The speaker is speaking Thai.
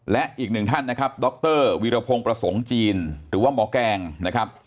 และอีกหนึ่งท่านนะครับดรวิรพงศ์ประสงค์จีนหรือว่าหมอแกงนะครับ